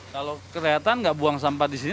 kalau kelihatan nggak buang sampah di sini